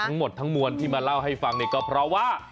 ทั้งหมดทั้งมวลที่มาเล่าให้ฟังเนี่ยก็เพราะว่า